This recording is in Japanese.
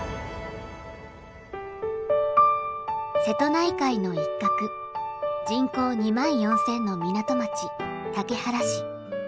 瀬戸内海の一角人口２万４，０００の港町竹原市。